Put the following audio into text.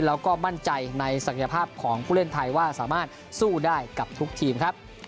แล้วก็มั่นใจในศักยภาพของผู้เล่นไทยว่าสามารถสู้ได้กับทุกทีมครับ